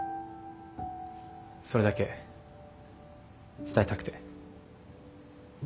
それだけ伝えたくて。